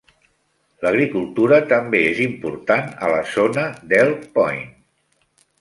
L'agricultura també és important a la zona d'Elk Point.